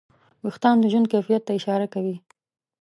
وېښتيان د ژوند کیفیت ته اشاره کوي.